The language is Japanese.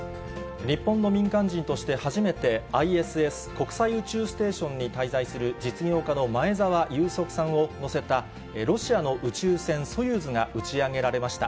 日本の民間人として初めてＩＳＳ・国際宇宙ステーションに滞在する実業家の前澤友作さんを乗せたロシアの宇宙船ソユーズが打ち上げられました。